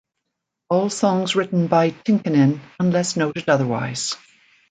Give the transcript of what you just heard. All songs written by Tynkkynen unless noted otherwise.